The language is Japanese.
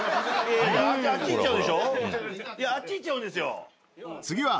いやあっち行っちゃうんですよ。